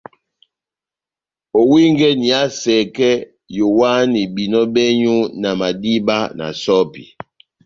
Owingɛni iha sɛkɛ, yowahani behinɔ bɛ́nywu na madiba na sɔ́pi.